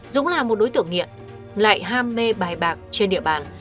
dũng là một đối tượng nghiện lại ham mê bài bạc trên địa bàn